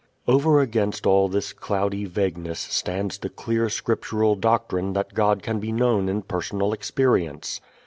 Over against all this cloudy vagueness stands the clear scriptural doctrine that God can be known in personal experience.